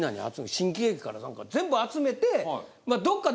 新喜劇から何から全部集めてどっかで。